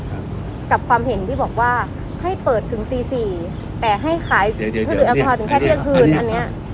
กับความเห็นที่บอกว่าให้เปิดถึงตี๔แต่ให้ขายทื้นอัฟฟาร์ถึงแค่เที่ยงคืน